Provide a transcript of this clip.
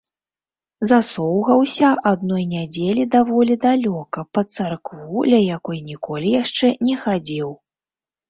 Засоўгаўся адной нядзелі даволі далёка, пад царкву, ля якой ніколі яшчэ не хадзіў.